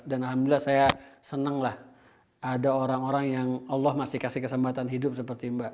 dan alhamdulillah saya senanglah ada orang orang yang allah masih kasih kesempatan hidup seperti mbak